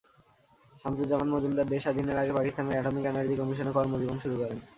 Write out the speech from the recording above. শামসুজ্জামান মজুমদার দেশ স্বাধীনের আগে পাকিস্তানের অ্যাটমিক এনার্জি কমিশনে কর্মজীবন শুরু করেন।